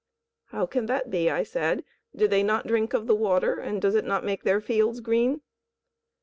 "How can that be?" I said; "do they not drink of the water, and does it not make their fields green?"